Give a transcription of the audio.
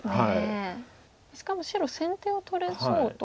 しかも白先手を取れそうと。